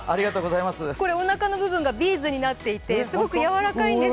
おなかの部分がビーズになっていてすごく柔らかいんです。